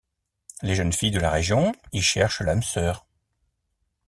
Les jeunes filles de la région y cherchent l'âme sœur.